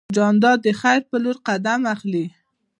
جانداد د خیر په لور قدم اخلي.